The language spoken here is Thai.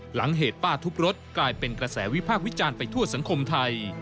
หลังเหตุป้าทุบรถกลายเป็นกระแสวิพากษ์วิจารณ์ไปทั่วสังคมไทย